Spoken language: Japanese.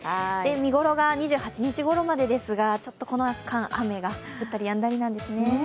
見頃が２８日ごろまでですが、この間、雨が降ったりやんだりなんですね。